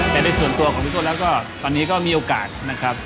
เป็นในส่วนตัวของวิทยุแล้วก็ตอนนี้ก็มีโอกาสนะครับ